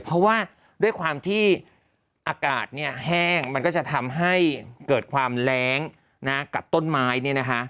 เพราะว่าด้วยความที่อากาศเนี่ยแห้งมันก็จะทำให้เกิดความแรงกับต้นไม้เนี่ยนะคะ